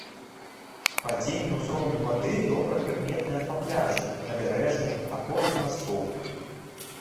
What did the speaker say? Падзенне ўзроўню вады добра прыкметнае па пляжы, набярэжнай, апорах мастоў.